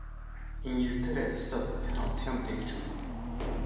Îngiltere dîsa bi penaltiyan têk çû.